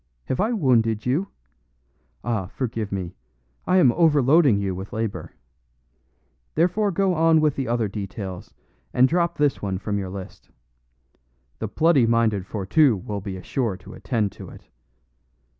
Have I wounded you? Ah, forgive me; I am overloading you with labor. Therefore go on with the other details, and drop this one from your list. The bloody minded Fourtou will be sure to attend to it.